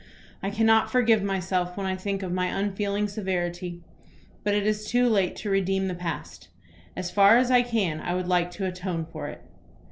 I cannot forgive myself when I think of my unfeeling severity. But it is too late too redeem the past. As far as I can I would like to atone for it.